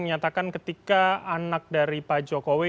menyatakan ketika anak dari pak jokowi